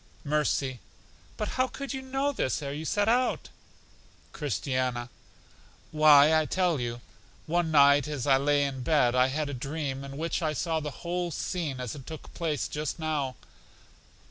Mercy: But how could you know this ere you set out? Christiana: Why, I will tell you. One night as I lay in bed, I had a dream, in which I saw the whole scene as it took place just now.